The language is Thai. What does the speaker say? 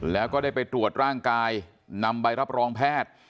แล้วก็ได้ไปตรวจร่างกายนำใบรับรองแพทย์